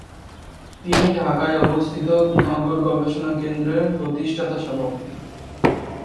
তিনি ঢাকায় অবস্থিত নগর গবেষণা কেন্দ্রের প্রতিষ্ঠাতা সভাপতি।